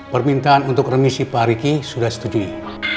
permintaan untuk remisi pak riki sudah setujui